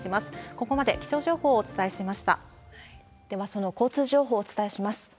ここまで気象情報をお伝えしましではその交通情報、お伝えします。